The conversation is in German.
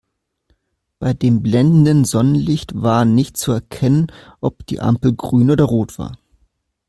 Bei dem blendenden Sonnenlicht war nicht zu erkennen, ob die Ampel grün oder rot war.